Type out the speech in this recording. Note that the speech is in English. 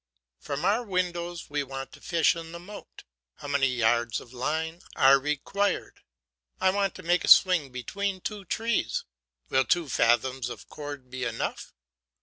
From our windows we want to fish in the moat; how many yards of line are required? I want to make a swing between two trees; will two fathoms of cord be enough?